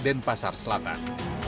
dan pasar selatan